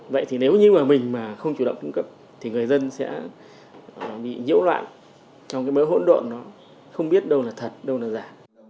vậy thì nếu như mà mình mà không chủ động cung cấp thì người dân sẽ bị nhiễu loạn trong cái mỡ hỗn độn đó không biết đâu là thật đâu là giả